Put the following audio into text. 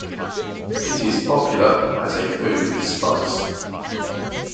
It is popular as a food spice.